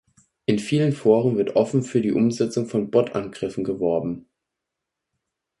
In vielen Foren wird offen für die Umsetzung von Bot-Angriffen geworben.